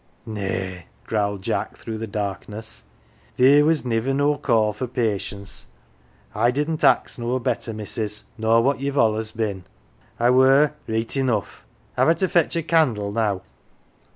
" Nay," growled Jack through the darkness. " Theer was niver no call for patience. I didn't ax no better 141 "THE GILLY F'ERS" missus nor what ye've allus been. I were reet enough. Have I to fetch a candle now